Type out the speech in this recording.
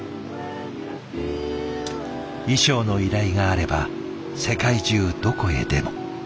衣装の依頼があれば世界中どこへでも。